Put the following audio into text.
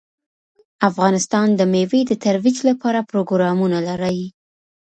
افغانستان د مېوې د ترویج لپاره پروګرامونه لري.